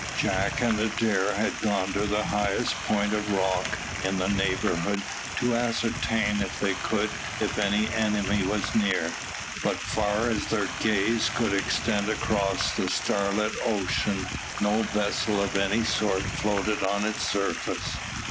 Jack and Adair had gone to the highest point of rock in the neighbourhood, to ascertain, if they could, if any enemy was near; but far as their gaze could extend across the starlit ocean, no vessel of any sort floated on its surface.